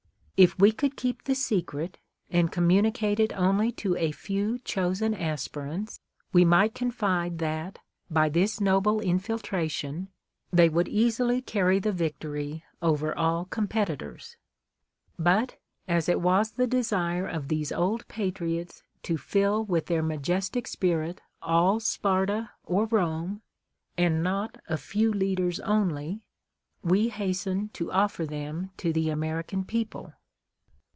If we could keep the secret, and communicate it only to a few chosen aspirants, we XXIV INTRODUCTION. might confide that, by this noble infiltration, they would easily carry the victory over all competitors. But, as it was the desire of these old patriots to fill with their majestic spirit all Sparta or Rome, and not a few leaders only, we hasten to ofTer them to the American people.